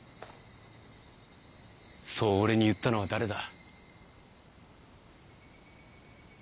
そう俺に言ったのは誰だ？